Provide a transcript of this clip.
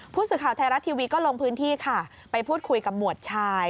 ผู้สื่อข่าวไทยรัฐทีวีก็ลงพื้นที่ค่ะไปพูดคุยกับหมวดชาย